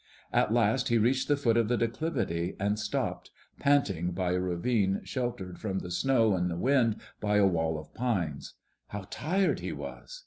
At last he reached the foot of a declivity and stopped panting by a ravine sheltered from the snow and the wind by a wall of pines. How tired he was!